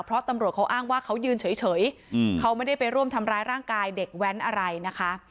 เพราะตำรวจเขาอ้างว่าเขายืนเฉยเขาไม่ได้ไปร่วมทำร้ายร่างกายเด็กแว้นอะไรนะคะ